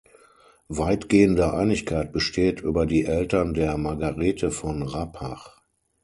Weitgehende Einigkeit besteht über die Eltern der Margarethe von Rappach.